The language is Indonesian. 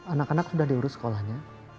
anak anak sudah diurus sekolahnya